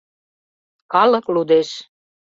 Калык лудеш.